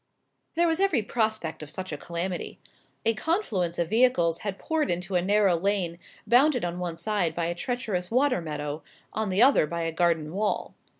There was every prospect of such a calamity. A confluence of vehicles had poured into a narrow lane bounded on one side by a treacherous water meadow, on the other by a garden wall.